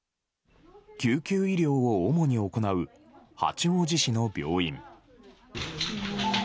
救急医療を主に行う八王子市の病院。